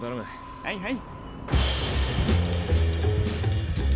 はいはい。